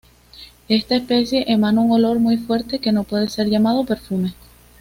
Esta especie emana un olor muy fuerte que no puede ser llamado perfume.